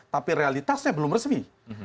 tapi realitasnya belum resmi